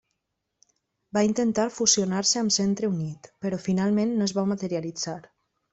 Va intentar fusionar-se amb Centre Unit, però finalment no es va materialitzar.